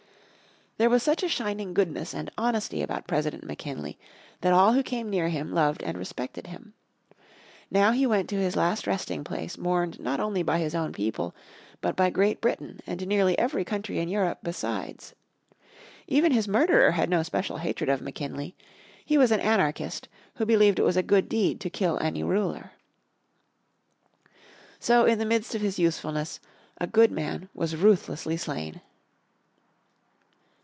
There was such a shining goodness and honesty about President McKinley that all who came near him loved and respected him. Now he went to his last resting place mourned not only by his own people but by Great Britain and nearly every country in Europe besides. Even his murderer had no special hatred of McKinley. He was an anarchist who believed it was a good deed to kill any ruler. So in the midst of his usefulness a good man was ruthlessly slain.